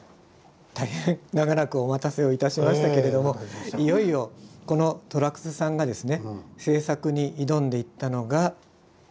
大変長らくお待たせをいたしましたけれどもいよいよこの寅楠さんがですね製作に挑んでいったのが。